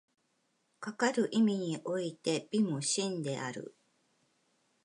かかる意味において美も真である。